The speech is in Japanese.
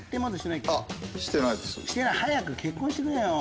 早く結婚してくれよ！